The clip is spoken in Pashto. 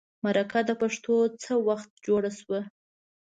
مرکه د پښتو څه وخت جوړه شوه.